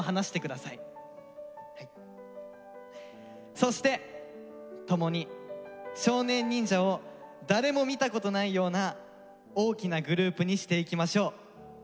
「そして共に少年忍者を誰も見たことないような大きなグループにしていきましょう。